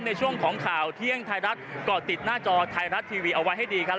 ในช่วงของข่าวเที่ยงไทยรัฐก็ติดหน้าจอไทยรัฐทีวีเอาไว้ให้ดีครับ